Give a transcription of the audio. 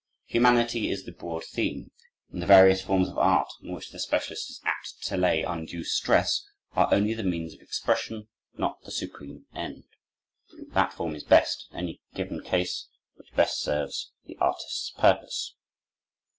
Humanity is the broad theme; and the various forms of art, on which the specialist is apt to lay undue stress, are only the means of expression, not the supreme end. That form is best, in any given case, which best serves the artist's purpose.